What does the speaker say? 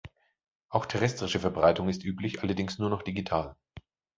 Auch terrestrische Verbreitung ist üblich, allerdings nur noch digital.